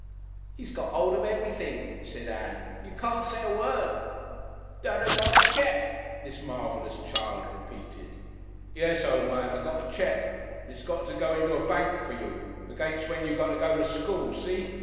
"'E gets 'old of everything," said Ann. "You can't say a word " "Dadda got a cheque," this marvellous child repeated. "Yes, o' man, I got a cheque. And it's got to go into a bank for you, against when you got to go to school. See?